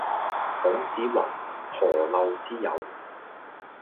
孔子云：「何陋之有？」